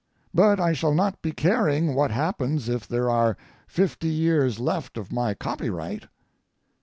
But I shall not be caring what happens if there are fifty years left of my copyright.